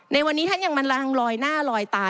ในวันนี้ท่านยังมาลังลอยหน้าลอยตา